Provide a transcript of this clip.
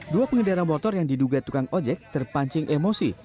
dua pengendara motor yang diduga tukang ojek terpancing emosi